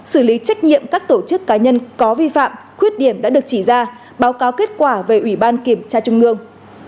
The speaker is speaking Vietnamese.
xử lý trách nhiệm các tổ chức cá nhân có vi phạm khuyết điểm đã được chỉ ra báo cáo kết quả về ủy ban kiểm tra trung ương